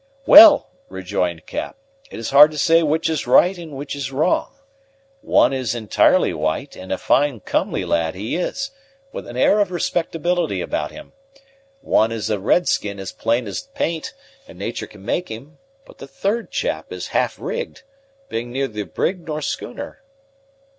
"Well," rejoined Cap, "it is hard to say which is right and which is wrong. One is entirely white, and a fine comely lad he is, with an air of respectability about him; one is a red skin as plain as paint and nature can make him; but the third chap is half rigged, being neither brig nor schooner."